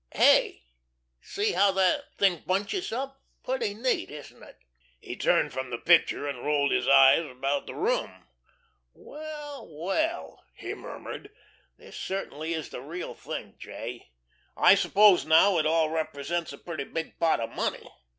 Hey see how the thing bunches up. Pretty neat, isn't it?" He turned from the picture and rolled his eyes about the room. "Well, well," he murmured. "This certainly is the real thing, J. I suppose, now, it all represents a pretty big pot of money."